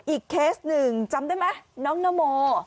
เคสหนึ่งจำได้ไหมน้องนโม